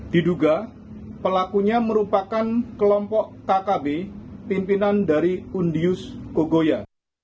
diduga pelakunya merupakan kelompok kkb pimpinan dari undius kogoya